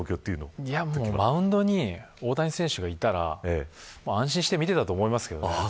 マウンドに大谷選手がいたら安心して見ていたと思いますけどね。